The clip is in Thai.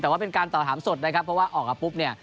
แต่ว่าเป็นการตอบถามสดนะครับเพราะว่าออกมาปุ๊บเนี่ย